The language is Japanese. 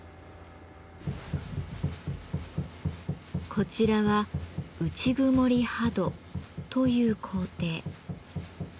こちらは「内曇刃砥」という工程。